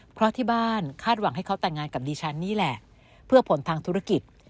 เพราะที่บ้านคาดหวังให้เขาแต่งงานกับดิฉันนี่แหละเพื่อผลทางธุรกิจ